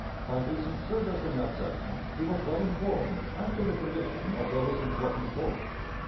By recent service in that section he was well informed as to the condition of those important ports.